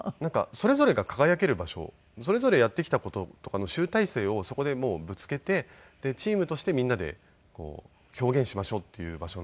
それぞれが輝ける場所それぞれやってきた事とかの集大成をそこでもうぶつけてチームとしてみんなで表現しましょうっていう場所なんで。